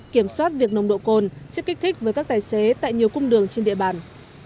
kiểm soát việc nồng độ cồn chất kích thích với các tài xế tại nhiều cung đường trên địa bàn